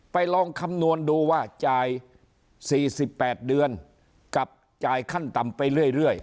ลองคำนวณดูว่าจ่าย๔๘เดือนกับจ่ายขั้นต่ำไปเรื่อย